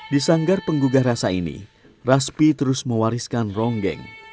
di sanggar penggugah rasa ini raspi terus mewariskan ronggeng